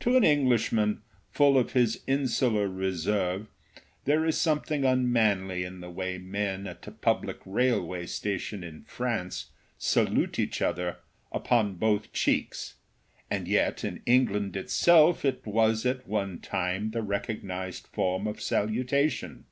To an Englishman, full of his insular reserve, there is something unmanly in the way men at a public railway station in France salute each other upon both cheeks; and yet in England itself it was at one time the recognized form of salutation.